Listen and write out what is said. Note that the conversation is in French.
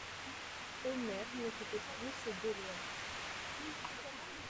Omer n'écoutait plus ces doléances.